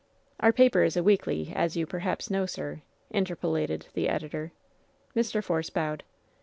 "Our paper is a weekly, as you, perhaps, know, sir," interpolated the editor. Mr. Force bowed.